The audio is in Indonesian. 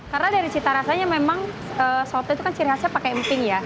karena dari cita rasanya memang soto itu kan ciri khasnya pakai emping ya